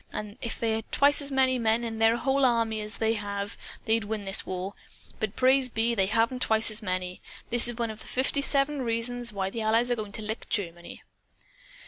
And if they had twice as many men in their whole army as they have, they'd win this war. But praise be, they haven't twice as many! That is one of the fifty seven reasons why the Allies are going to lick Germany."